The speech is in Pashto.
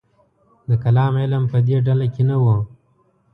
د کلام علم په دې ډله کې نه و.